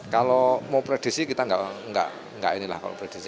kalau mau predisi kita enggak ini lah kalau predisi